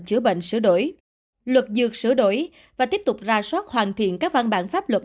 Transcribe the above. chữa bệnh sửa đổi luật dược sửa đổi và tiếp tục ra soát hoàn thiện các văn bản pháp luật